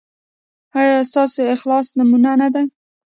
ایا ستاسو اخلاق نمونه نه دي؟